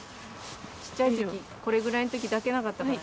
ちっちゃいときこれぐらいのとき抱けなかったから。